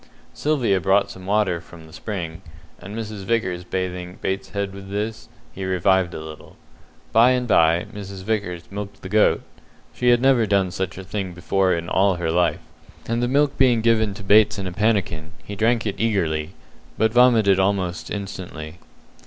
Sylvia brought some water from the spring, and Mrs. Vickers bathing Bates's head with this, he revived a little. By and by Mrs. Vickers milked the goat she had never done such a thing before in all her life and the milk being given to Bates in a pannikin, he drank it eagerly, but vomited it almost instantly.